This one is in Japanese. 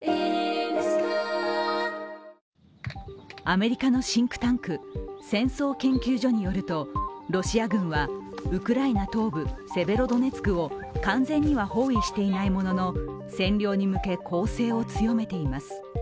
アメリカのシンクタンク戦争研究所によると、ロシア軍は、ウクライナ東部セベロドネツクを完全には包囲していないものの占領に向け攻勢を強めています。